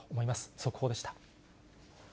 速報でした。